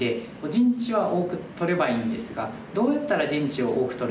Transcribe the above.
陣地は多く取ればいいんですがどうやったら陣地を多く取れるのか。